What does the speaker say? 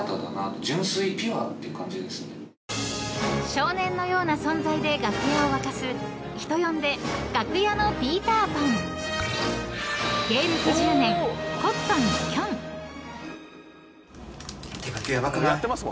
［少年のような存在で楽屋を沸かす人呼んで楽屋のピーターパン］ってか今日ヤバくない？